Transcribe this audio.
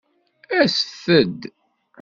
Aset-d!